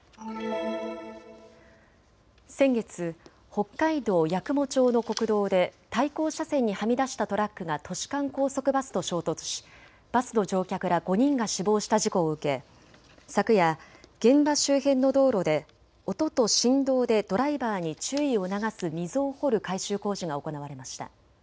先月、北海道八雲町の国道で対向車線にはみ出したトラックが都市間高速バスと衝突しバスの乗客ら５人が死亡した事故を受け昨夜、現場周辺の道路で音と振動でドライバーに注意を促す溝を掘る改修工事が行われました。